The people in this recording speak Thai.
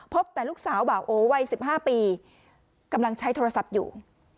แต่ลูกสาวบ่าโอวัย๑๕ปีกำลังใช้โทรศัพท์อยู่